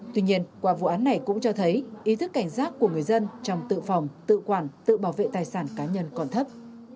tuy nhiên qua vụ án này cũng cho thấy ý thức cảnh giác của người dân trong tự phòng tự quản tự bảo vệ tài sản cá nhân còn thấp